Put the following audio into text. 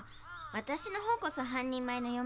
私の方こそ半人前の嫁です。